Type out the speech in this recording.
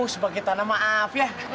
sebagai tanah maaf ya